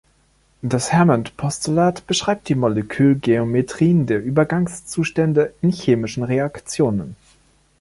Das Hammond-Postulat beschreibt die Molekül-Geometrien der Übergangszustände in chemischen Reaktionen.